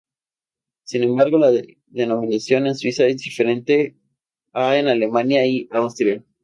Sin embargo la denominación en Suiza es diferente a en Alemania y Austria.